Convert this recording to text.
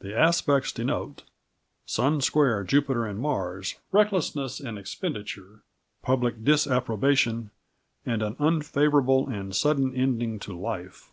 "The Aspects denote Sun Square Jupiter and Mars, recklessness in expenditure, public disapprobation, and an unfavourable and sudden ending to life.